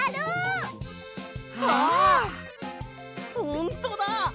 ほんとだ！